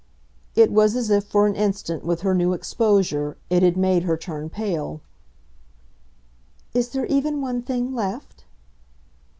It was as if, for an instant, with her new exposure, it had made her turn pale. "Is there even one thing left?"